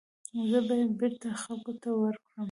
زه به یې بېرته خلکو ته ورکړم.